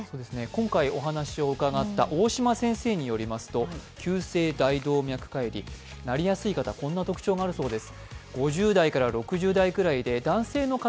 今回お話を伺った大島先生によりますとなりやすい方はこんな特徴があるそうです。